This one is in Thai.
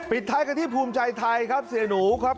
ท้ายกันที่ภูมิใจไทยครับเสียหนูครับ